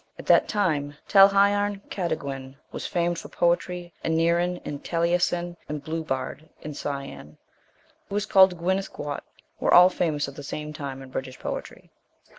At that time, Talhaiarn Cataguen* was famed for poetry, and Neirin, and Taliesin and Bluchbard, and Cian, who is called Guenith Guaut, were all famous at the same time in British poetry.